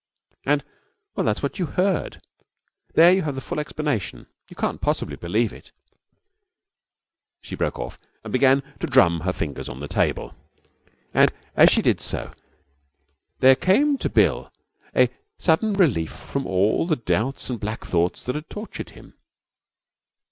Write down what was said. And Well, that was what you heard. There you have the full explanation. You can't possibly believe it.' She broke off and began to drum her fingers on the table. And as she did so there came to Bill a sudden relief from all the doubts and black thoughts that had tortured him.